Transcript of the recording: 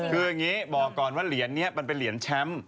คืออย่างนี้บอกก่อนว่าเหรียญนี้มันเป็นเหรียญแชมป์